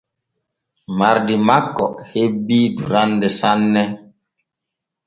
Mardi makko hebii durande sanne.